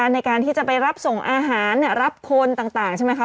ในการที่จะไปรับส่งอาหารรับคนต่างใช่ไหมคะ